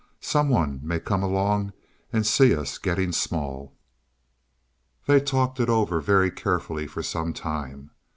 "Some one may come along and see us getting small." They talked it over very carefully for some time.